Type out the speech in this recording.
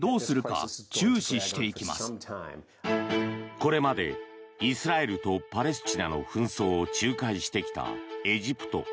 これまでイスラエルとパレスチナの紛争を仲介してきたエジプト。